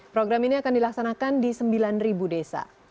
program ini akan dilaksanakan di sembilan desa